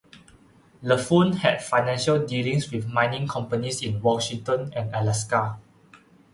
Laffoon had financial dealings with mining companies in Washington and Alaska.